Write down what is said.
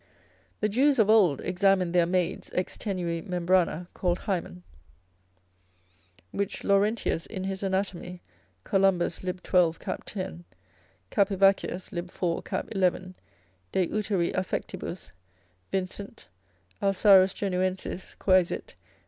The Jews of old examined their maids ex tenui membrana, called Hymen, which Laurentius in his anatomy, Columbus lib. 12. cap. 10. Capivaccius lib. 4. cap. 11. de uteri affectibus, Vincent, Alsarus Genuensis quaesit.